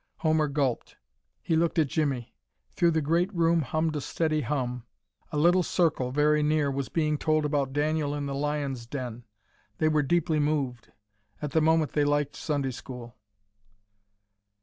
Homer gulped; he looked at Jimmie. Through the great room hummed a steady hum. A little circle, very near, was being told about Daniel in the lion's den. They were deeply moved. At the moment they liked Sunday school.